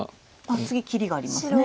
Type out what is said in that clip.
次切りがありますね。